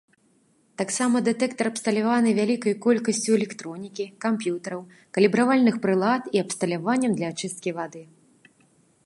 Таксама дэтэктар абсталяваны вялікай колькасцю электронікі, камп'ютараў, калібравальных прылад і абсталяваннем для ачысткі вады.